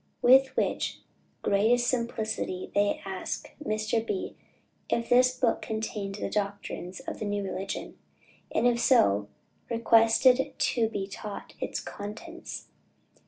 With the greatest simplicity they asked Mr. B. if this book contained the doctrines of the new religion, and if so, requested to be taught its contents.